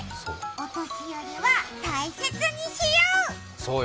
お年寄りは大切にしよう。